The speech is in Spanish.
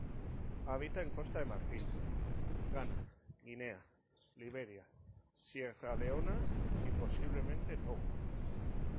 Habita en Costa de Marfil, Ghana, Guinea, Liberia, Sierra Leona y posiblemente Togo.